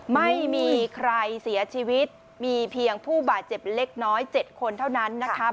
ไม่มีใครเสียชีวิตมีเพียงผู้บาดเจ็บเล็กน้อย๗คนเท่านั้นนะคะ